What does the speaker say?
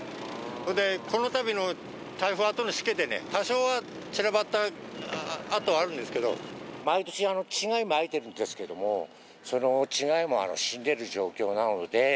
それでこのたびの台風あとのしけでね、多少は散らばった跡あるん毎年、稚貝をまいているんですけど、その稚貝も死んでいる状況なので。